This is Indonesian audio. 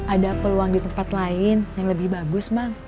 ada peluang di tempat lain yang lebih bagus mah